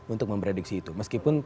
untuk memprediksi itu meskipun